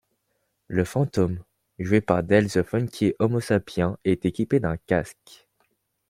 Le fantôme, joué par Del the Funky Homosapien est équipé d'un casque.